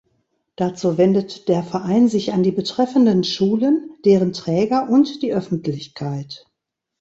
Dazu wendet der Verein sich an die betreffenden Schulen, deren Träger und die Öffentlichkeit.